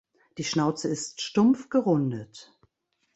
Die Schnauze ist stumpf gerundet.